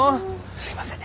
すいません。